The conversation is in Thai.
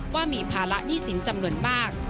ว่ามีภาระหนี้สินจำนวนมาก